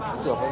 itu siapa ya